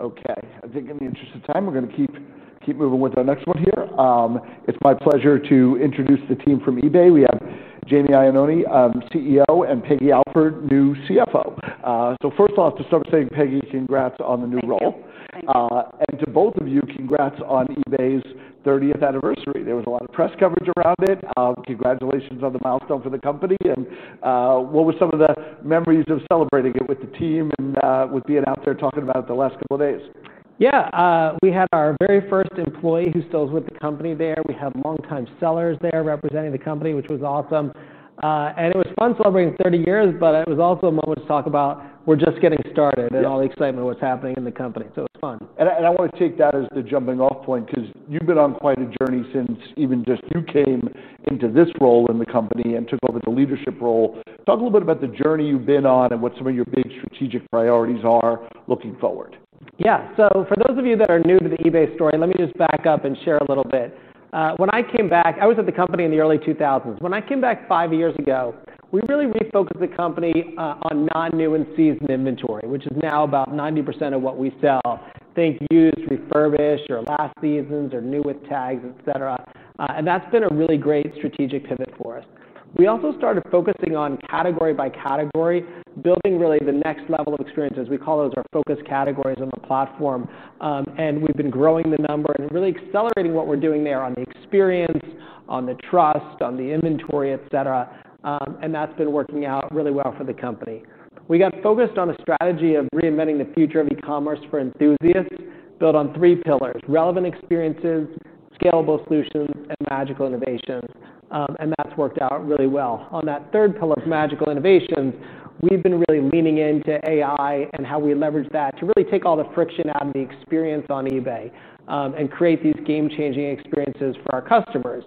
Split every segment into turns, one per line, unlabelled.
Okay. I think in the interest of time, we're going to keep moving with our next one here. It's my pleasure to introduce the team from eBay. We have Jamie Iannone, CEO, and Peggy Alford, new CFO. First off, to start with saying, Peggy, congrats on the new role.
Thanks.
To both of you, congrats on eBay's 30th anniversary. There was a lot of press coverage around it. Congratulations on the milestone for the company. What were some of the memories of celebrating it with the team and with being out there talking about it the last couple of days?
Yeah, we had our very first employee who still is with the company there. We had longtime sellers there representing the company, which was awesome. It was fun celebrating 30 years, but it was also a moment to talk about we're just getting started and all the excitement that's happening in the company. It was fun.
I want to take that as the jumping-off point because you've been on quite a journey since even just you came into this role in the company and took over the leadership role. Talk a little bit about the journey you've been on and what some of your big strategic priorities are looking forward.
Yeah. For those of you that are new to the eBay story, let me just back up and share a little bit. When I came back, I was at the company in the early 2000s. When I came back five years ago, we really refocused the company on non-new and seasoned inventory, which is now about 90% of what we sell. Think used, refurbished, or last season's, or new with tags, etc. That's been a really great strategic pivot for us. We also started focusing on category by category, building really the next level of experiences. We call those our focus categories on the platform. We've been growing the number and really accelerating what we're doing there on the experience, on the trust, on the inventory, etc. That's been working out really well for the company. We got focused on a strategy of reinventing the future of e-commerce for enthusiasts, built on three pillars: relevant experiences, scalable solutions, and magical innovations. That's worked out really well. On that third pillar of magical innovations, we've been really leaning into AI and how we leverage that to really take all the friction out of the experience on eBay and create these game-changing experiences for our customers.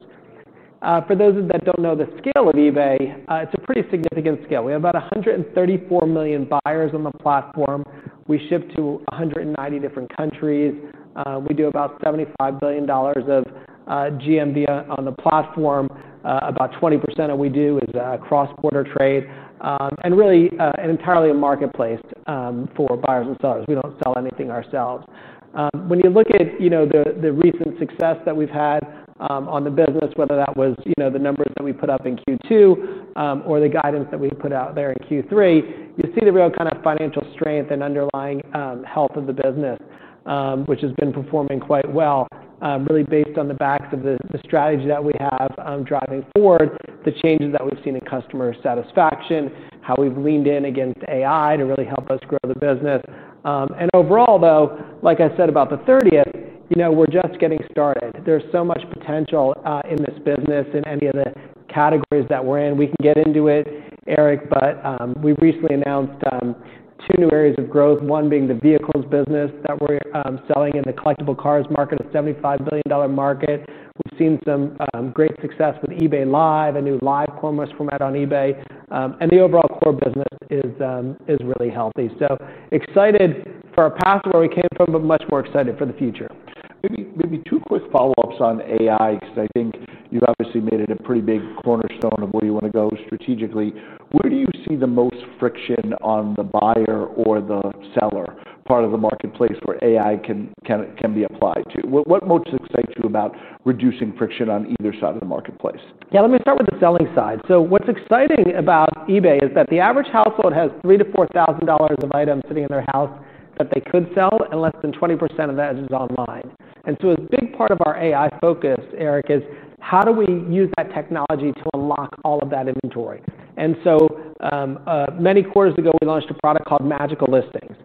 For those that don't know the scale of eBay, it's a pretty significant scale. We have about 134 million buyers on the platform. We ship to 190 different countries. We do about $75 billion of GMV on the platform. About 20% of what we do is cross-border trade. Really, entirely a marketplace for buyers and sellers. We don't sell anything ourselves. When you look at the recent success that we've had on the business, whether that was the numbers that we put up in Q2 or the guidance that we put out there in Q3, you see the real kind of financial strength and underlying health of the business, which has been performing quite well, really based on the backs of the strategy that we have driving forward, the changes that we've seen in customer satisfaction, how we've leaned in against AI to really help us grow the business. Overall, though, like I said about the 30th, you know we're just getting started. There's so much potential in this business, in any of the categories that we're in. We can get into it, Eric, but we recently announced two new areas of growth, one being the vehicles business that we're selling in the collectible cars market, a $75 billion market. We've seen some great success with eBay Live, a new live commerce format on eBay. The overall core business is really healthy. Excited for a path where we came from, but much more excited for the future.
Maybe two quick follow-ups on AI because I think you obviously made it a pretty big cornerstone of where you want to go strategically. Where do you see the most friction on the buyer or the seller part of the marketplace where AI can be applied to? What most excites you about reducing friction on either side of the marketplace?
Let me start with the selling side. What's exciting about eBay is that the average household has $3,000 to $4,000 of items sitting in their house that they could sell, and less than 20% of that is online. A big part of our AI focus, Eric, is how do we use that technology to unlock all of that inventory? Many quarters ago, we launched a product called Magical Listings.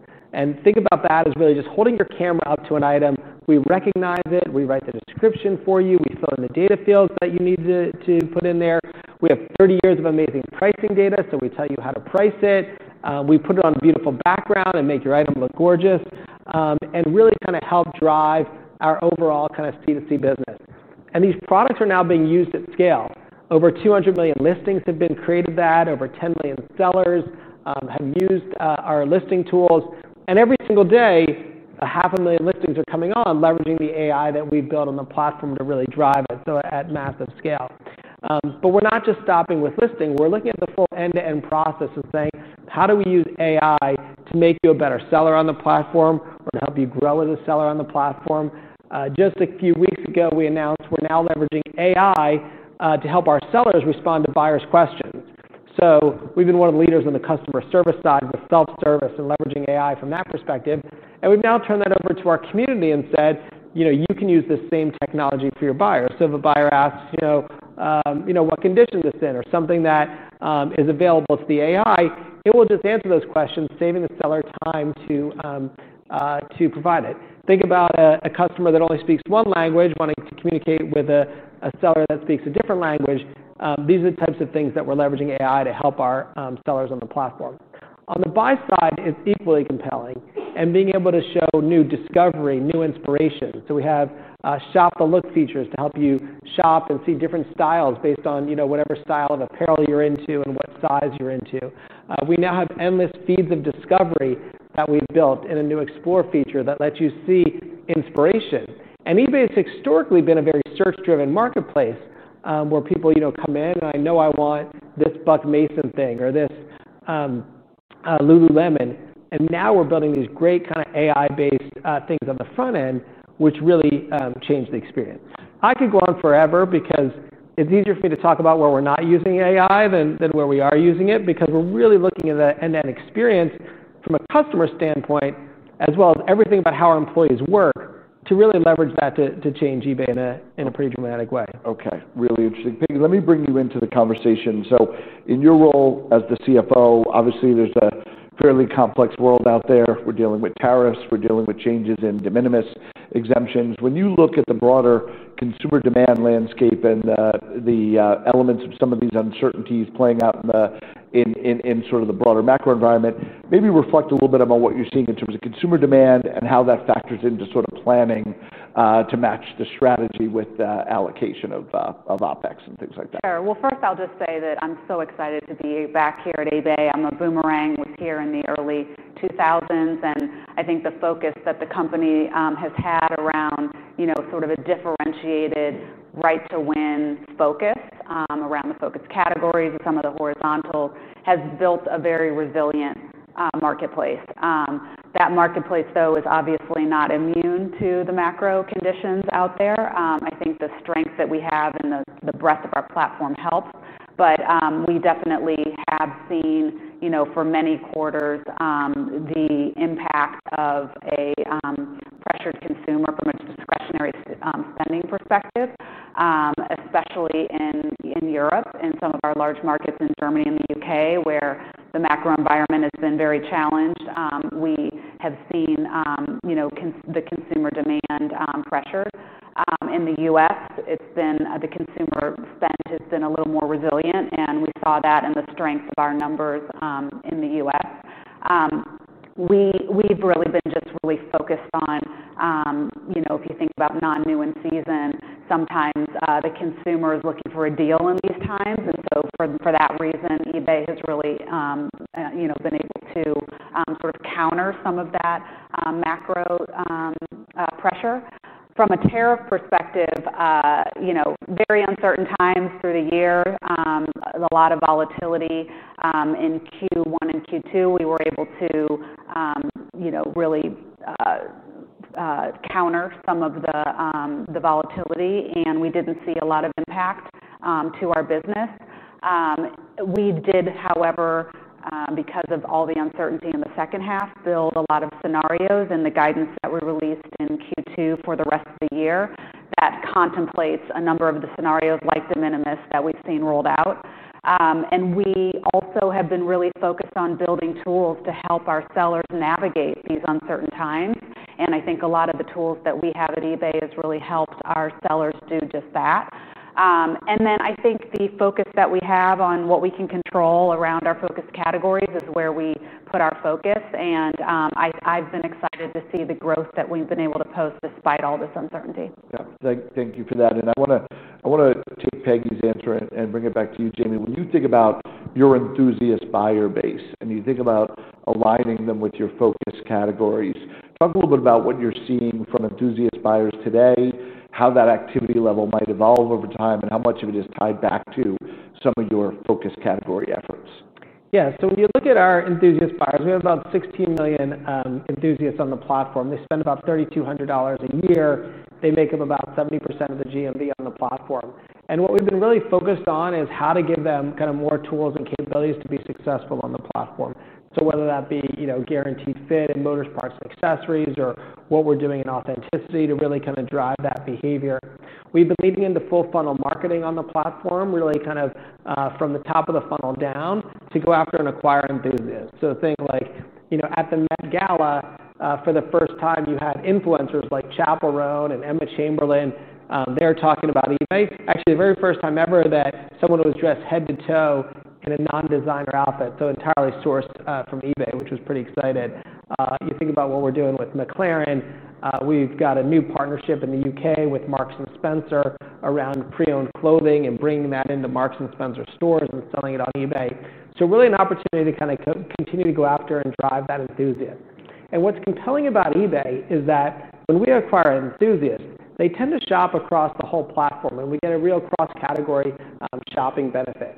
Think about that as really just holding your camera up to an item. We recognize it, we write the description for you, we fill in the data fields that you need to put in there. We have 30 years of amazing pricing data, so we tell you how to price it. We put it on a beautiful background and make your item look gorgeous, and really kind of help drive our overall kind of C2C business. These products are now being used at scale. Over 200 million listings have been created, and over 10 million sellers have used our listing tools. Every single day, a half a million listings are coming on, leveraging the AI that we've built on the platform to really drive it at massive scale. We're not just stopping with listing. We're looking at the full end-to-end process of saying, how do we use AI to make you a better seller on the platform and help you grow as a seller on the platform? Just a few weeks ago, we announced we're now leveraging AI to help our sellers respond to buyers' questions. We've been one of the leaders on the customer service side with self-service and leveraging AI from that perspective. We've now turned that over to our community and said, you can use the same technology for your buyers. If a buyer asks, you know what condition it's in or something that is available to the AI, it will just answer those questions, saving the seller time to provide it. Think about a customer that only speaks one language, wanting to communicate with a seller that speaks a different language. These are the types of things that we're leveraging AI to help our sellers on the platform. On the buy side, it's equally compelling in being able to show new discovery, new inspiration. We have shop-the-look features to help you shop and see different styles based on whatever style of apparel you're into and what size you're into. We now have endless feeds of discovery that we've built in a new explore feature that lets you see inspiration. eBay's historically been a very search-driven marketplace where people come in and, "I know I want this Buck Mason thing or this Lululemon." Now we're building these great kind of AI-based things on the front end, which really change the experience. I could go on forever because it's easier for me to talk about where we're not using AI than where we are using it because we're really looking at that experience from a customer standpoint, as well as everything about how our employees work to really leverage that to change eBay in a pretty dramatic way.
Okay. Really interesting. Peggy, let me bring you into the conversation. In your role as the CFO, obviously, there's a fairly complex world out there. We're dealing with tariffs. We're dealing with changes in de minimis exemptions. When you look at the broader consumer demand landscape and the elements of some of these uncertainties playing out in the broader macro environment, maybe reflect a little bit about what you're seeing in terms of consumer demand and how that factors into planning to match the strategy with the allocation of OpEx and things like that.
Sure. First, I'll just say that I'm so excited to be back here at eBay. I'm a boomerang who was here in the early 2000s. I think the focus that the company has had around sort of a differentiated right-to-win focus around the focus categories and some of the horizontal has built a very resilient marketplace. That marketplace, though, is obviously not immune to the macro conditions out there. I think the strength that we have in the breadth of our platform helps, but we definitely have seen, you know, for many quarters, the impact of a pressured consumer from a discretionary spending perspective, especially in Europe and some of our large markets in Germany and the UK, where the macro environment has been very challenged. We have seen, you know, the consumer demand pressure in the U.S. Consumer spend has been a little more resilient, and we saw that in the strength of our numbers in the U.S. We've really been just really focused on, you know, if you think about non-new and seasoned, sometimes the consumer is looking for a deal in these times. For that reason, eBay has really, you know, been able to sort of counter some of that macro pressure. From a tariff perspective, very uncertain times through the year, a lot of volatility. In Q1 and Q2, we were able to, you know, really counter some of the volatility, and we didn't see a lot of impact to our business. We did, however, because of all the uncertainty in the second half, build a lot of scenarios in the guidance that were released in Q2 for the rest of the year that contemplates a number of the scenarios like de minimis that we've seen rolled out. We also have been really focused on building tools to help our sellers navigate these uncertain times. I think a lot of the tools that we have at eBay have really helped our sellers do just that. I think the focus that we have on what we can control around our focus categories is where we put our focus. I've been excited to see the growth that we've been able to post despite all this uncertainty.
Thank you for that. I want to take Peggy's answer and bring it back to you, Jamie. When you think about your enthusiast buyer base and you think about aligning them with your focus categories, talk a little bit about what you're seeing from enthusiast buyers today, how that activity level might evolve over time, and how much of it is tied back to some of your focus category efforts.
Yeah. When you look at our enthusiast buyers, we have about 16 million enthusiasts on the platform. They spend about $3,200 a year. They make up about 70% of the GMV on the platform. What we've been really focused on is how to give them more tools and capabilities to be successful on the platform. Whether that be guaranteed fit in motors parts and accessories or what we're doing in authenticity to really drive that behavior, we've been leaning into full-funnel marketing on the platform, from the top of the funnel down to go after and acquire enthusiasts. Think like at the Met Gala, for the first time, you had influencers like Chappell Roan and Emma Chamberlain. They're talking about eBay. Actually, the very first time ever that someone was dressed head to toe in a non-designer outfit, so entirely sourced from eBay, which was pretty exciting. You think about what we're doing with McLaren. We've got a new partnership in the UK with Marks and Spencer around pre-owned clothing and bringing that into Marks and Spencer stores and selling it on eBay. Really an opportunity to continue to go after and drive that enthusiasm. What's compelling about eBay is that when we acquire enthusiasts, they tend to shop across the whole platform. We get a real cross-category shopping benefit.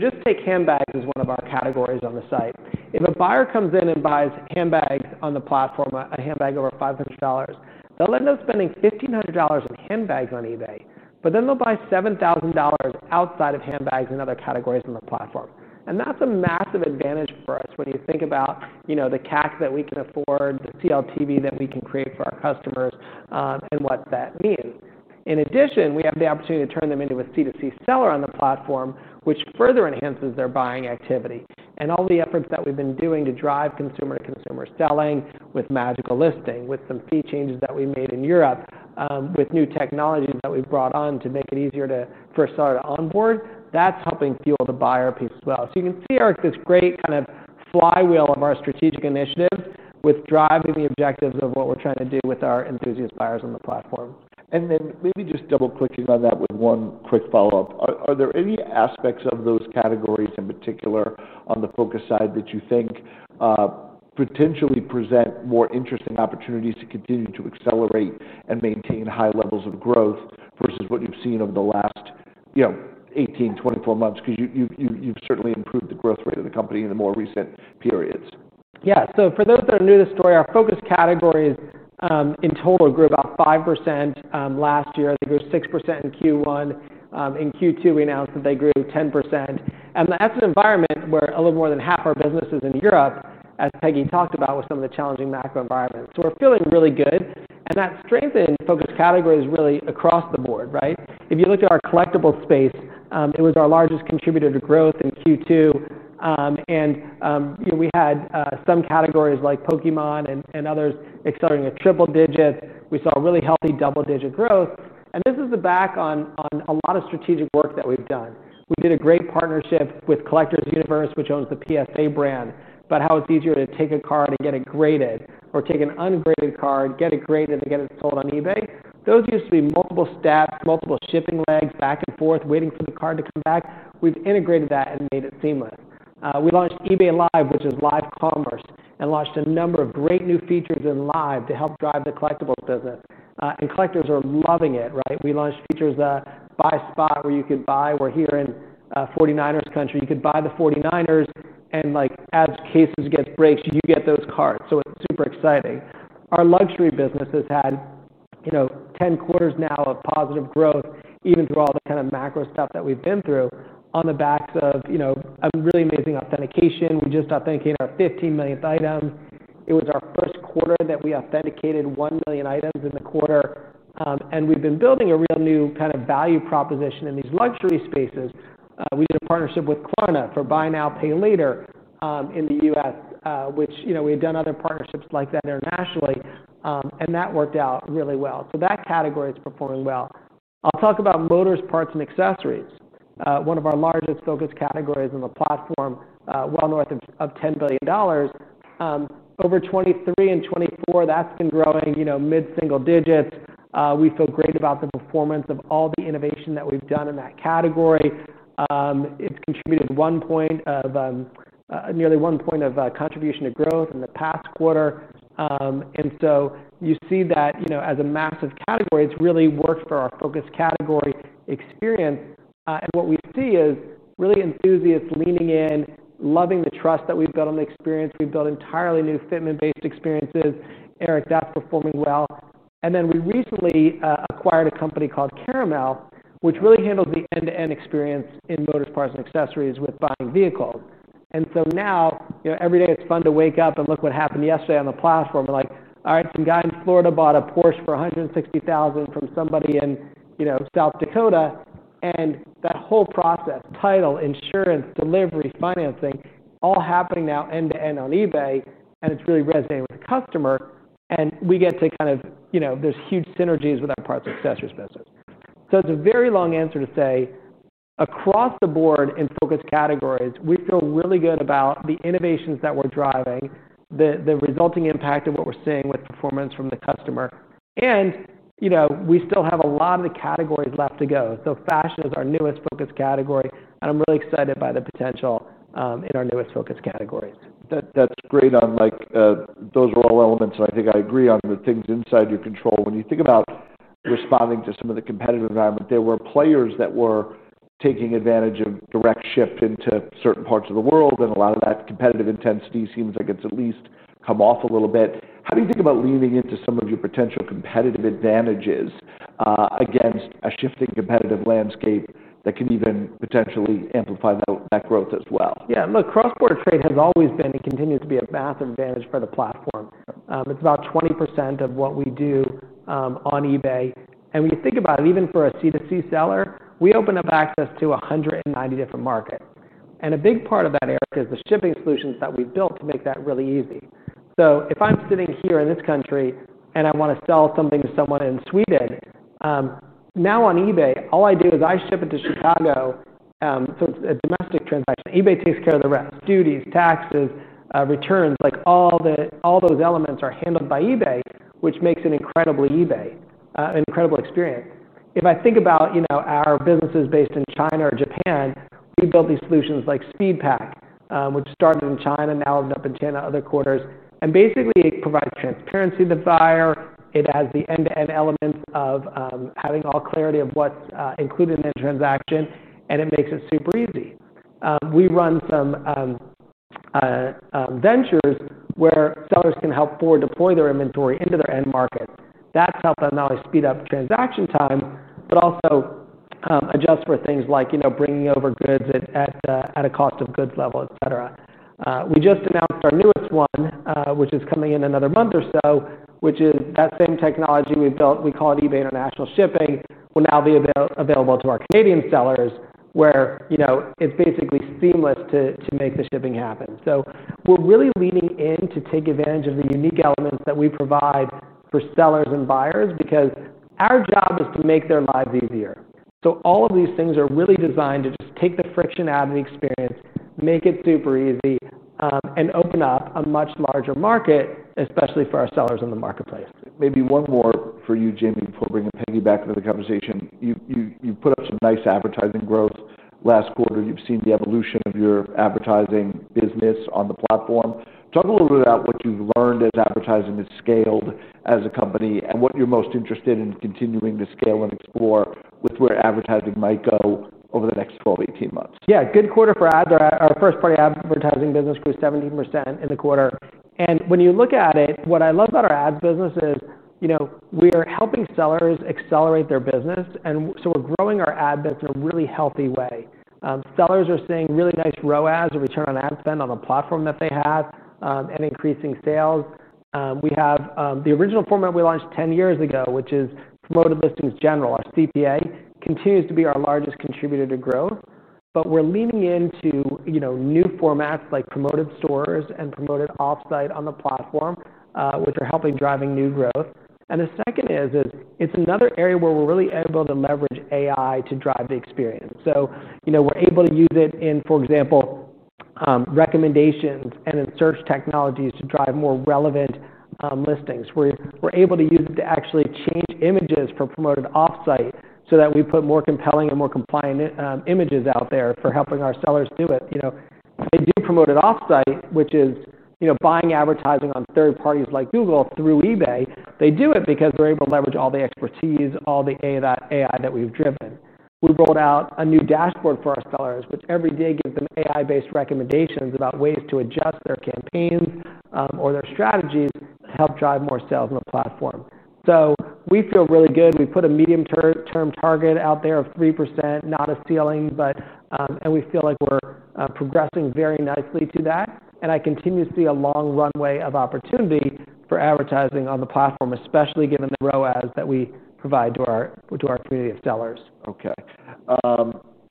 Just take handbags as one of our categories on the site. If a buyer comes in and buys handbags on the platform, a handbag over $500, they'll end up spending $1,500 on handbags on eBay. Then they'll buy $7,000 outside of handbags in other categories on the platform. That's a massive advantage for us when you think about the CAC that we can afford, the CLTV that we can create for our customers, and what that means. In addition, we have the opportunity to turn them into a C2C seller on the platform, which further enhances their buying activity. All the efforts that we've been doing to drive consumer-to-consumer selling with Magical Listing, with some fee changes that we made in Europe, with new technologies that we've brought on to make it easier for a seller to onboard, that's helping fuel the buyer piece as well. You can see, Eric, this great flywheel of our strategic initiative with driving the objectives of what we're trying to do with our enthusiast buyers on the platform.
Maybe just double-clicking on that with one quick follow-up. Are there any aspects of those categories in particular on the focus side that you think potentially present more interesting opportunities to continue to accelerate and maintain high levels of growth versus what you've seen over the last 18, 24 months? You've certainly improved the growth rate of the company in the more recent periods.
Yeah. For those that are new to the story, our focus categories in total grew about 5% last year. They grew 6% in Q1. In Q2, we announced that they grew 10%. In an environment where a little more than half our business is in Europe, as Peggy talked about, with some of the challenging macro environments, we're feeling really good. That strengthened focus categories really across the board, right? If you look at our collectible space, it was our largest contributor to growth in Q2. We had some categories like Pokémon and others accelerating at triple digits. We saw really healthy double-digit growth. This is the back on a lot of strategic work that we've done. We did a great partnership with Collectors Universe, which owns the PSA brand, about how it's easier to take a card and get it graded, or take an ungraded card, get it graded, and get it sold on eBay. Those used to be multiple steps, multiple shipping legs back and forth, waiting for the card to come back. We've integrated that and made it seamless. We launched eBay Live, which is live commerce, and launched a number of great new features in Live to help drive the collectibles business. Collectors are loving it, right? We launched features Buy Spot where you could buy, we're here in 49ers country, you could buy the 49ers. As cases get breaks, you get those cards. It's super exciting. Our luxury business has had 10 quarters now of positive growth, even through all the kind of macro stuff that we've been through, on the backs of a really amazing authentication. We just authenticated our 15 millionth item. It was our first quarter that we authenticated 1 million items in the quarter. We've been building a real new kind of value proposition in these luxury spaces. We did a partnership with Klarna for Buy Now, Pay Later in the U.S., which, you know, we had done other partnerships like that internationally. That worked out really well. That category is performing well. I'll talk about motors parts and accessories. One of our largest focus categories on the platform, well north of $10 billion. Over 2023 and 2024, that's been growing mid-single digits. We feel great about the performance of all the innovation that we've done in that category. It's contributed nearly one point of contribution to growth in the past quarter. You see that, as a massive category, it's really worked for our focus category experience. What we see is really enthusiasts leaning in, loving the trust that we've built on the experience. We've built entirely new fitment-based experiences. Eric, that's performing well. We recently acquired a company called Caramel, which really handles the end-to-end experience in motors parts and accessories with buying vehicles. Now, every day it's fun to wake up and look at what happened yesterday on the platform. Like, all right, some guy in Florida bought a Porsche for $160,000 from somebody in South Dakota. That whole process, title, insurance, delivery, financing, all happening now end-to-end on eBay. It's really resonating with the customer. We get to kind of, you know, there's huge synergies with our products and accessories business. It's a very long answer to say across the board in focus categories, we feel really good about the innovations that we're driving, the resulting impact of what we're seeing with performance from the customer. We still have a lot of the categories left to go. Fashion is our newest focus category. I'm really excited by the potential in our newest focus category.
That's great on those raw elements. I think I agree on the things inside your control. When you think about responding to some of the competitive environment, there were players that were taking advantage of direct ship into certain parts of the world. A lot of that competitive intensity seems like it's at least come off a little bit. How do you think about leaning into some of your potential competitive advantages against a shifting competitive landscape that can even potentially amplify that growth as well?
Yeah. Look, cross-border trade has always been and continues to be a massive advantage for the platform. It's about 20% of what we do on eBay. When you think about it, even for a C2C seller, we open up access to 190 different markets. A big part of that, Eric, is the shipping solutions that we've built to make that really easy. If I'm sitting here in this country and I want to sell something to someone in Sweden, now on eBay, all I do is I ship it to Chicago. It's a domestic transaction. eBay takes care of the rest: duties, taxes, returns. All those elements are handled by eBay, which makes it an incredible experience. If I think about our businesses based in China or Japan, we can build these solutions like Speedpack, which started in China, now ends up in China, other quarters. Basically, it provides transparency to the buyer. It has the end-to-end elements of having all clarity of what's included in the transaction. It makes it super easy. We run some ventures where sellers can help forward deploy their inventory into their end market. That's helped not only speed up transaction times, but also adjust for things like bringing over goods at a cost of goods level, etc. We just announced our newest one, which is coming in another month or so, which is that same technology we built. We call it eBay International Shipping. It will now be available to our Canadian sellers, where it's basically seamless to make the shipping happen. We're really leaning in to take advantage of the unique elements that we provide for sellers and buyers because our job is to make their lives easier. All of these things are really designed to just take the friction out of the experience, make it super easy, and open up a much larger market, especially for our sellers in the marketplace.
Maybe one more for you, Jamie, before bringing Peggy back into the conversation. You put up some nice advertising growth last quarter. You've seen the evolution of your advertising business on the platform. Talk a little bit about what you learned as advertising has scaled as a company and what you're most interested in continuing to scale and explore with where advertising might go over the next 12 to 18 months.
Yeah. Good quarter for our first-party advertising business, grew 17% in the quarter. When you look at it, what I love about our ad business is, you know, we are helping sellers accelerate their business, and we're growing our ad bits in a really healthy way. Sellers are seeing really nice ROAS, a return on ad spend on the platform that they have, and increasing sales. We have the original format we launched 10 years ago, which is promoted listings general. Our CPA continues to be our largest contributor to growth. We're leaning into new formats like promoted stores and promoted offsite on the platform, which are helping drive new growth. It is another area where we're really able to leverage AI to drive the experience. We're able to use it in, for example, recommendations and in search technologies to drive more relevant listings. We're able to use it to actually change images for promoted offsite so that we put more compelling and more compliant images out there for helping our sellers do it. You know, they do promoted offsite, which is buying advertising on third parties like Google through eBay. They do it because they're able to leverage all the expertise, all the AI that we've driven. We rolled out a new dashboard for our sellers, which every day gives them AI-based recommendations about ways to adjust their campaigns or their strategies to help drive more sales on the platform. We feel really good. We put a medium-term target out there of 3%, not a ceiling, but we feel like we're progressing very nicely to that. I continue to see a long runway of opportunity for advertising on the platform, especially given the ROAS that we provide to our community of sellers.
Okay.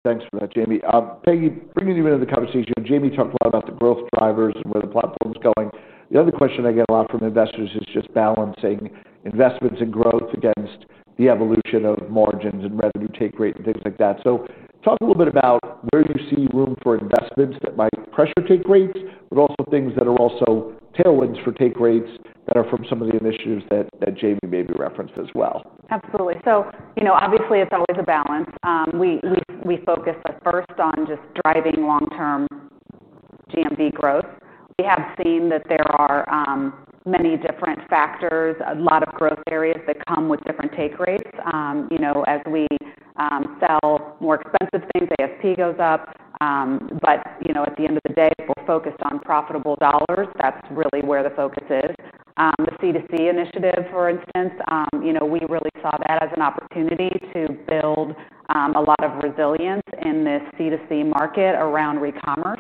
Thanks for that, Jamie. Peggy, bringing you into the conversation, Jamie talked a lot about the growth drivers and where the platform is going. The other question I get a lot from investors is just balancing investments and growth against the evolution of margins and revenue take rate and things like that. Talk a little bit about where you see room for investments that might pressure take rates, but also things that are also tailwinds for take rates that are from some of the initiatives that Jamie maybe referenced as well.
Absolutely. Obviously, it's always a balance. We focus first on just driving long-term GMV growth. We have seen that there are many different factors, a lot of growth areas that come with different take rates. As we sell more expensive things, ASP goes up. At the end of the day, if we're focused on profitable dollars, that's really where the focus is. The C2C initiative, for instance, we really saw that as an opportunity to build a lot of resilience in this C2C market around re-commerce.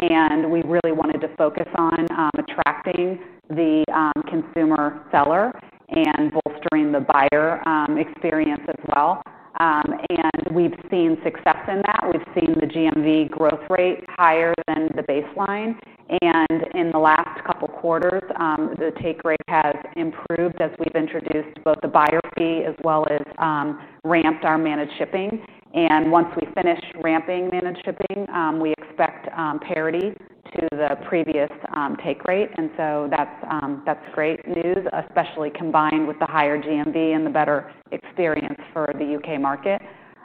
We really wanted to focus on attracting the consumer seller and bolstering the buyer experience as well. We've seen success in that. We've seen the GMV growth rate higher than the baseline. In the last couple of quarters, the take rate has improved as we've introduced both the buyer fee as well as ramped our managed shipping. Once we finish ramping managed shipping, we expect parity to the previous take rate. That's great news, especially combined with the higher GMV and the better experience for the UK market.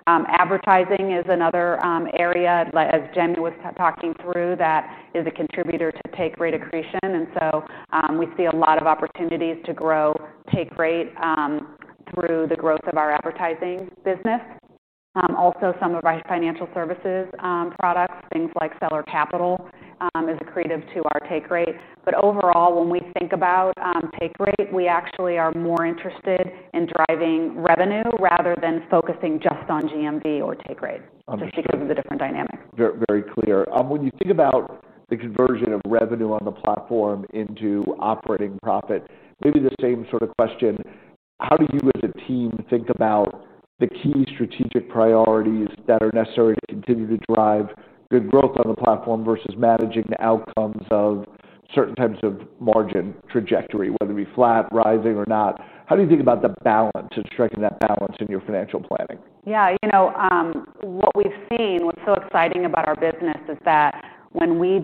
Advertising is another area, as Jamie Iannone was talking through, that is a contributor to take rate accretion. We see a lot of opportunities to grow take rate through the growth of our advertising business. Also, some of our financial services products, things like seller capital, is accretive to our take rate. Overall, when we think about take rate, we actually are more interested in driving revenue rather than focusing just on GMV or take rate, just because of the different dynamics.
Very clear. When you think about the conversion of revenue on the platform into operating profit, maybe the same sort of question. How do you, as a team, think about the key strategic priorities that are necessary to continue to drive good growth on the platform versus managing the outcomes of certain types of margin trajectory, whether it be flat, rising, or not? How do you think about the balance and striking that balance in your financial planning?
Yeah. You know, what's so exciting about our business is that when we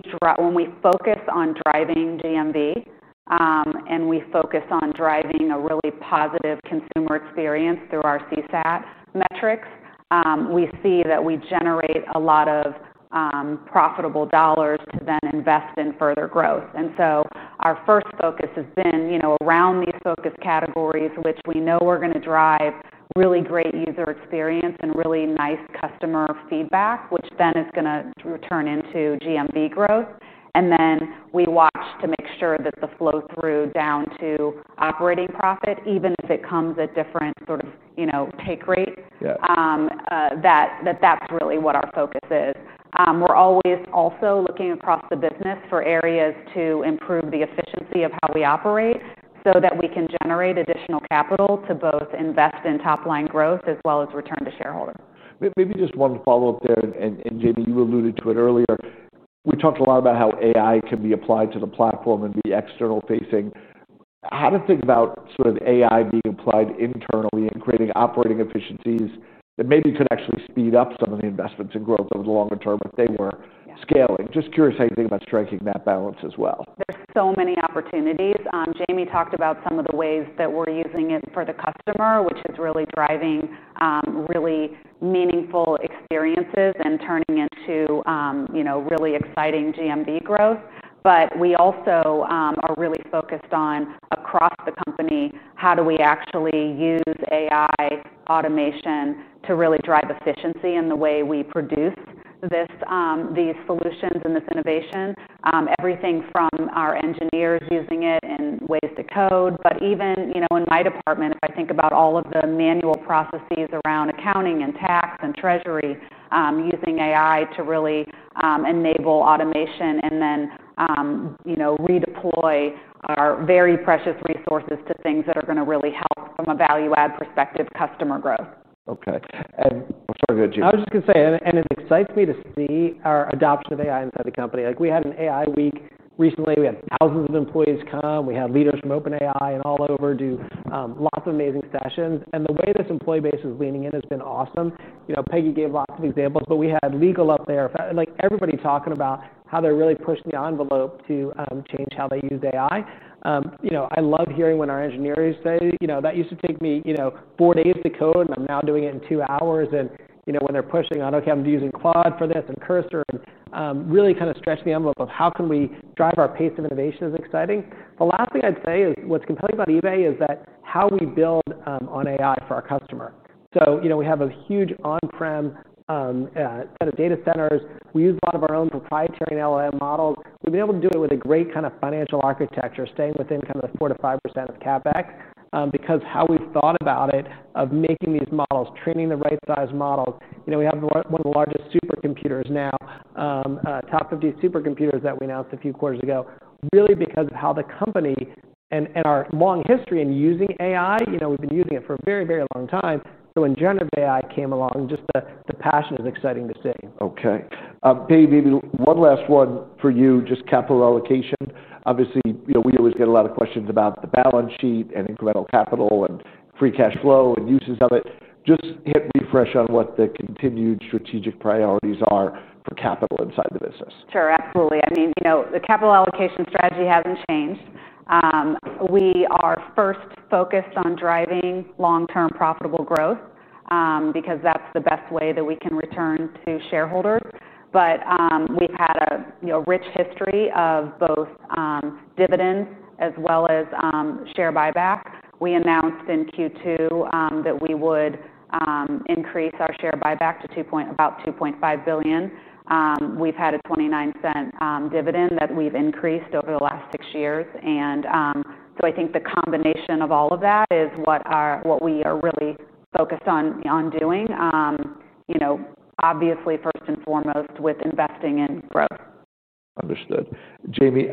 focus on driving GMV and we focus on driving a really positive consumer experience through our CSAT metrics, we see that we generate a lot of profitable dollars to then invest in further growth. Our first focus has been around these focus categories, which we know are going to drive really great user experience and really nice customer feedback, which then is going to turn into GMV growth. We watch to make sure that the flow through down to operating profit, even if it comes at different sort of take rates, that's really what our focus is. We're always also looking across the business for areas to improve the efficiency of how we operate so that we can generate additional capital to both invest in top-line growth as well as return to shareholders.
Maybe just one follow-up there. Jamie, you alluded to it earlier. We talked a lot about how AI can be applied to the platform and be external-facing. How to think about sort of AI being applied internally and creating operating efficiencies that maybe could actually speed up some of the investments and growth over the longer term if they were scaling. Just curious how you think about striking that balance as well.
are so many opportunities. Jamie talked about some of the ways that we're using it for the customer, which is really driving really meaningful experiences and turning into really exciting GMV growth. We also are really focused on, across the company, how do we actually use AI automation to really drive efficiency in the way we produce these solutions and this innovation? Everything from our engineers using it in ways to code, even in my department, if I think about all of the manual processes around accounting and tax and treasury, using AI to really enable automation and then redeploy our very precious resources to things that are going to really help from a value-add perspective, customer growth.
I'm sorry to interject.
I was just going to say, and it excites me to see our adoption of AI inside the company. We had an AI week recently. We had thousands of employees come. We had leaders from OpenAI and all over do lots of amazing sessions. The way this employee base is leaning in has been awesome. Peggy gave lots of examples, but we had Legal up there, like everybody talking about how they're really pushing the envelope to change how they use AI. I love hearing when our engineers say, you know, that used to take me four days to code, and I'm now doing it in two hours. When they're pushing on, okay, I'm using Claude for this and Cursor and really kind of stretching the envelope of how can we drive our pace of innovation is exciting. The last thing I'd say, what's compelling about eBay is that how we build on AI for our customer. We have a huge on-prem set of data centers. We use a lot of our own proprietary LLM models. We've been able to do it with a great kind of financial architecture, staying within kind of the 4% to 5% of CapEx because how we've thought about it of making these models, training the right size models. We have one of the largest supercomputers now, top 50 supercomputers that we announced a few quarters ago, really because of how the company and our long history in using AI. We've been using it for a very, very long time. When generative AI came along, just the passion is exciting to see.
Okay. Peggy, maybe one last one for you, just capital allocation. Obviously, you know, we always get a lot of questions about the balance sheet and incremental capital and free cash flow and uses of it. Just hit refresh on what the continued strategic priorities are for capital inside the business.
Sure. Absolutely. I mean, you know, the capital allocation strategy hasn't changed. We are first focused on driving long-term profitable growth because that's the best way that we can return to shareholders. We've had a rich history of both dividends as well as share buybacks. We announced in Q2 that we would increase our share buyback to about $2.5 billion. We've had a 29% dividend that we've increased over the last six years. I think the combination of all of that is what we are really focused on doing, obviously, first and foremost with investing in growth.
Understood. Jamie,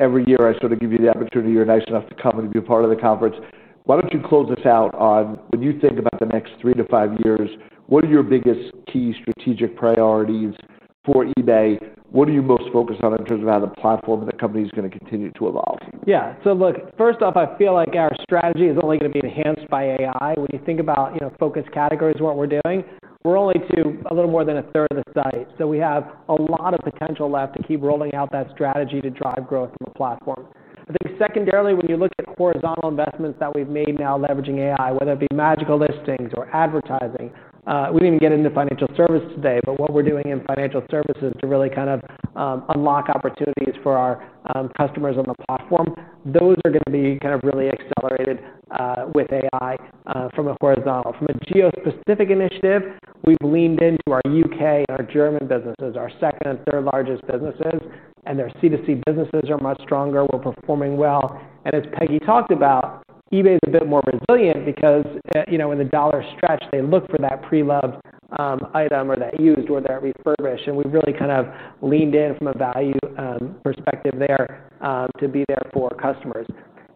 every year I sort of give you the opportunity. You're nice enough to come and be a part of the conference. Why don't you close us out on when you think about the next three to five years, what are your biggest key strategic priorities for eBay? What are you most focused on in terms of how the platform and the company is going to continue to evolve?
Yeah. First off, I feel like our strategy is only going to be enhanced by AI. When you think about focus categories and what we're doing, we're only to a little more than a third of the site. We have a lot of potential left to keep rolling out that strategy to drive growth on the platform. I think secondarily, when you look at horizontal investments that we've made now leveraging AI, whether it be Magical Listings or advertising, we didn't even get into financial service today, but what we're doing in financial services to really kind of unlock opportunities for our customers on the platform, those are going to be kind of really accelerated with AI from a horizontal. From a geo-specific initiative, we've leaned into our UK and our German businesses, our second and third largest businesses, and their C2C businesses are much stronger. We're performing well. As Peggy talked about, eBay is a bit more resilient because, you know, when the dollars stretch, they look for that pre-loved item or that used or that refurbished. We've really kind of leaned in from a value perspective there to be there for customers.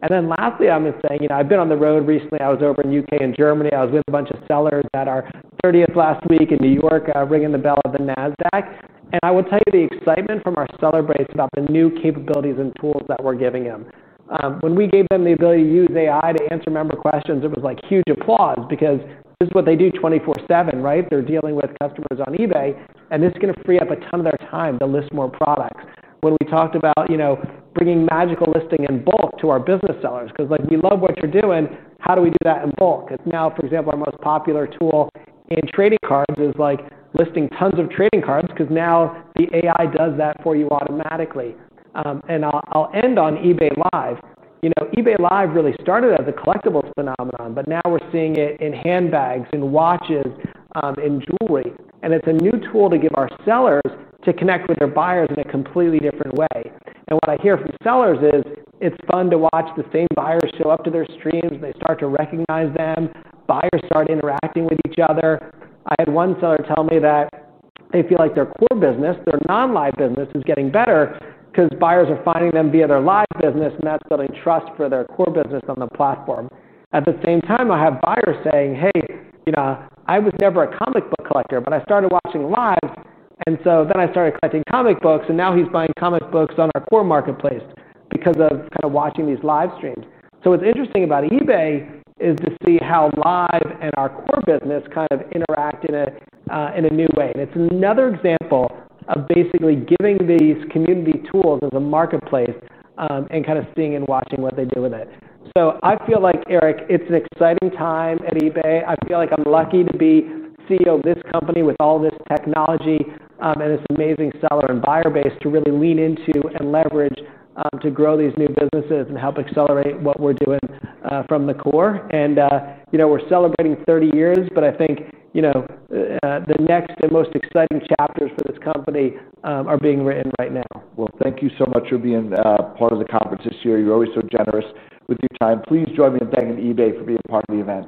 Lastly, I'm going to say, you know, I've been on the road recently. I was over in the UK and Germany. I was with a bunch of sellers that are 30th last week in New York, ringing the bell of the NASDAQ. I will tell you the excitement from our seller base about the new capabilities and tools that we're giving them. When we gave them the ability to use AI to answer member questions, it was like huge applause because this is what they do 24/7, right? They're dealing with customers on eBay. This is going to free up a ton of their time to list more products. When we talked about bringing Magical Listing in bulk to our business sellers, they're like we love what you're doing, how do we do that in bulk? For example, our most popular tool in trading cards is like listing tons of trading cards because now the AI does that for you automatically. I'll end on eBay Live. eBay Live really started as a collectibles phenomenon, but now we're seeing it in handbags, in watches, in jewelry. It's a new tool to give our sellers to connect with their buyers in a completely different way. What I hear from sellers is it's fun to watch the same buyers show up to their streams. They start to recognize them. Buyers start interacting with each other. I had one seller tell me that they feel like their core business, their non-live business, is getting better because buyers are finding them via their live business, and that's building trust for their core business on the platform. At the same time, I have buyers saying, "Hey, you know, I was never a comic book collector, but I started watching lives." I started collecting comic books, and now he's buying comic books on our core marketplace because of watching these live streams. What's interesting about eBay is to see how live and our core business interact in a new way. It's another example of basically giving these community tools as a marketplace and seeing what they do with it. I feel like, Eric, it's an exciting time at eBay. I feel like I'm lucky to be CEO of this company with all this technology and this amazing seller and buyer base to really lean into and leverage to grow these new businesses and help accelerate what we're doing from the core. We're celebrating 30 years, but I think the next and most exciting chapters for this company are being written right now.
Thank you so much for being part of the conference this year. You're always so generous with your time. Please join me in thanking eBay for being part of the event.